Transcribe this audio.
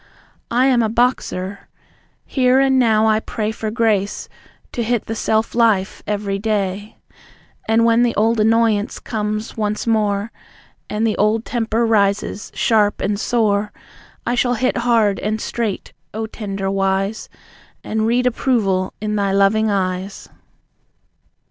"I am a boxer!" Here and now I pray For grace to hit the self life every day. And when the old annoyance comes once more And the old temper rises sharp and sore, I shall hit hard and straight, O Tender Wise, And read approval in Thy loving eyes.